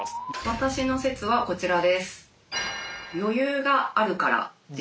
私の説はこちらです！